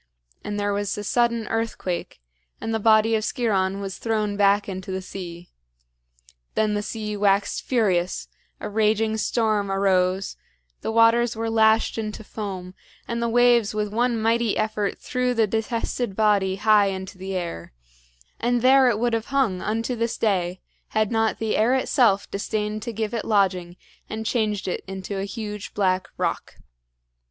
and there was a sudden earthquake, and the body of Sciron was thrown back into the sea. Then the sea waxed furious, a raging storm arose, the waters were lashed into foam, and the waves with one mighty effort threw the detested body high into the air; and there it would have hung unto this day had not the air itself disdained to give it lodging and changed it into a huge black rock.